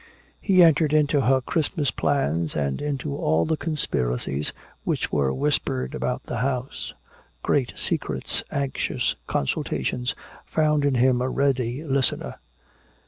He entered into her Christmas plans and into all the conspiracies which were whispered about the house. Great secrets, anxious consultations, found in him a ready listener.